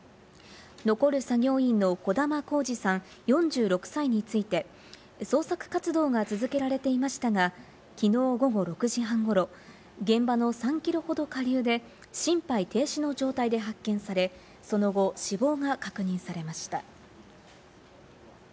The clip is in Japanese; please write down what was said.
残る作業員の児玉幸治さん、４６歳について、捜索活動が続けられていましたが、きのう午後６時半ごろ、現場の３キロほど下流で心肺停止の状態で発見され、その後死亡が確認されました。